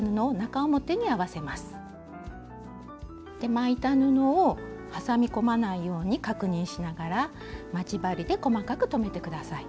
巻いた布を挟み込まないように確認しながら待ち針で細かく留めて下さい。